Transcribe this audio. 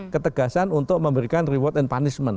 ketegasan untuk memberikan reward and punishment